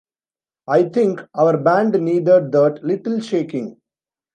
I think our band needed that little shaking.